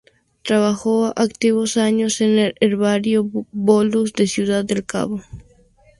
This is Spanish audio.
Trabajó activos años en el Herbario Bolus, de Ciudad del Cabo.